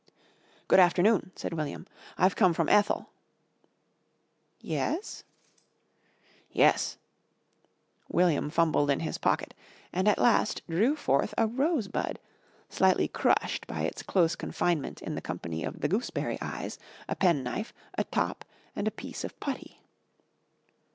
"Good afternoon," said William. "I've come from Ethel." "Yes?" "Yes." William fumbled in his pocket and at last drew forth a rosebud, slightly crushed by its close confinement in the company of the Gooseberry Eyes, a penknife, a top and a piece of putty.